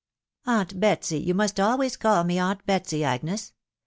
." "Aunt Betsy — you must always call me aunt Betsy, Agnes.